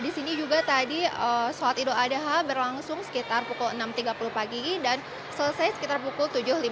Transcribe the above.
di sini juga tadi sholat idul adha berlangsung sekitar pukul enam tiga puluh pagi dan selesai sekitar pukul tujuh lima puluh